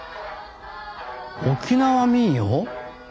沖縄民謡？